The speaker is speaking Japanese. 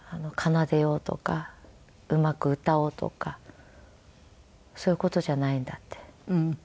奏でようとかうまく歌おうとかそういう事じゃないんだ」って。